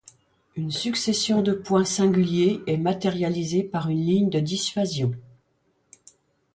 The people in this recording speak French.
Une succession de points singuliers est matérialisée par une ligne de dissuasion.